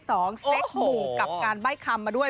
เซ็กหมู่กับการใบ้คำมาด้วย